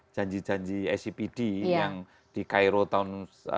janji janji icpd yang di cairo tahun seribu sembilan ratus sembilan puluh